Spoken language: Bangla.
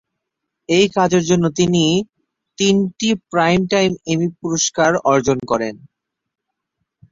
এই কাজের জন্য তিনি তিনটি প্রাইমটাইম এমি পুরস্কার অর্জন করেন।